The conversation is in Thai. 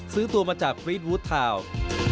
ซื้อตัวมาจากฟรีดวูดทาวน์